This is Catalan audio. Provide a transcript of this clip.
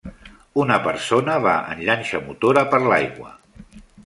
Una persona va en llanxa motora per l'aigua